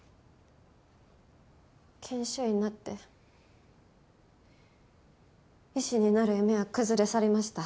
研修医になって医師になる夢は崩れ去りました。